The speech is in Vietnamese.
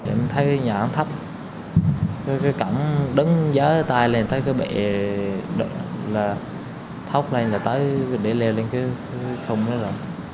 em thấy cái nhà ảnh thách cái cảnh đứng gió tay lên thấy cái bệ thóc lên là tới để leo lên cái khung đó rồi